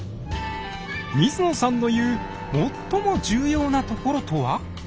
水野さんの言う「最も重要なところ」とは？